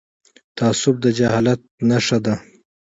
تعصب د جهالت نښه ده..